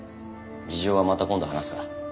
事情はまた今度話すから。